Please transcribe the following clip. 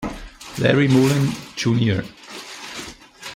Larry Mullen, Jr.